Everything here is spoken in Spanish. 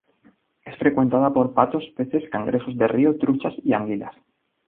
Es frecuentada por patos, peces, cangrejos de río, truchas y anguilas.